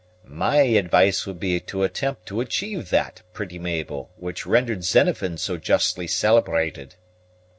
"My advice would be to attempt to achieve that, pretty Mabel, which rendered Xenophon so justly celebrated."